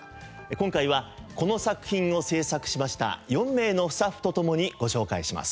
今回はこの作品を制作しました４名のスタッフと共にご紹介します。